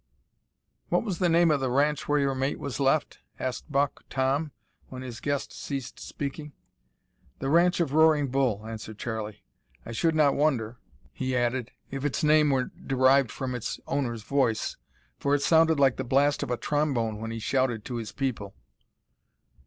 "What was the name o' the ranch where your mate was left?" asked Buck Tom, when his guest ceased speaking. "The ranch of Roaring Bull," answered Charlie. "I should not wonder," he added, "if its name were derived from its owner's voice, for it sounded like the blast of a trombone when he shouted to his people."